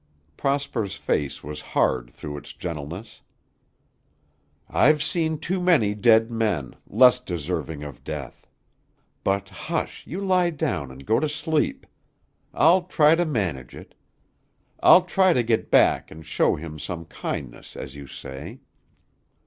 Prosper's face was hard through its gentleness. "I've seen too many dead men, less deserving of death. But, hush! you lie down and go to sleep. I'll try to manage it. I'll try to get back and show him some kindness, as you say.